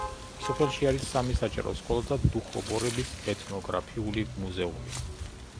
სოფელში არის სამი საჯარო სკოლა და დუხობორების ეთნოგრაფიული მუზეუმი.